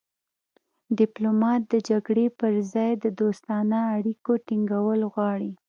ډیپلومات د جګړې پر ځای د دوستانه اړیکو ټینګول غواړي